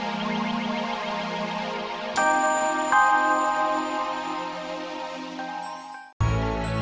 anggrek anggrek anggrek anggrek